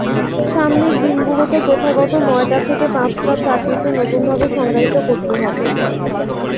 সামনের দিনগুলোতে প্রথাগত নয়টা থেকে পাঁচটা চাকরিকে নতুনভাবে সংজ্ঞায়িত করতে হবে।